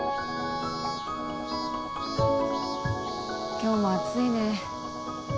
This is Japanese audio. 今日も暑いね。